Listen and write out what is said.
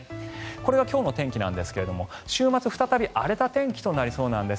これが今日の天気なんですが週末、再び荒れた天気となりそうなんです。